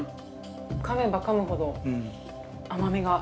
かめばかむほど甘みが。